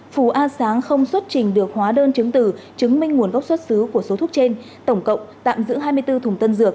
phù a sáng không xuất trình được hóa đơn chứng từ chứng minh nguồn gốc xuất xứ của số thuốc trên tổng cộng tạm giữ hai mươi bốn thùng tân dược